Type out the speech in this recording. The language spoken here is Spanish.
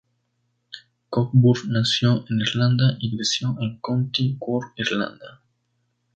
Cockburn nació en Irlanda y creció en County Cork, Irlanda.